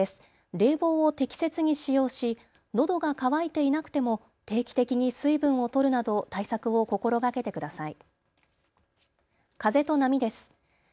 冷房を適切に使用しのどが渇いていなくても定期的に水分をとるなど対策を心がけてください。